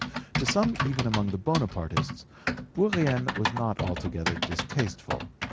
To some even among the Bonapartists, Bourrienne was not altogether distasteful.